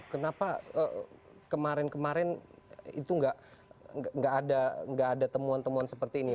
kenapa kemarin kemarin itu nggak ada temuan temuan seperti ini